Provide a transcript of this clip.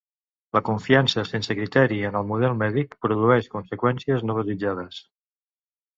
La confiança sense criteri en el model mèdic produeix conseqüències no desitjades.